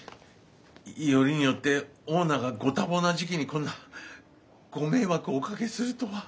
よりによってオーナーがご多忙な時期にこんなご迷惑をおかけするとは。